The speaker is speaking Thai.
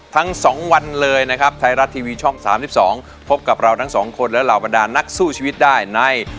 ทั้ง๒วันเลยนะครับไทยรัฐทีวีช่อง๓๒พบกับเราทั้งสองคนและเหล่าบรรดานนักสู้ชีวิตได้ใน